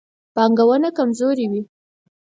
پانګونه کمزورې وي.